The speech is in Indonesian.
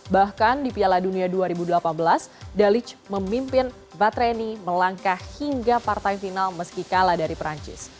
bahkan di piala dunia dua ribu delapan belas dalic memimpin batreni melangkah hingga partai final meski kalah dari perancis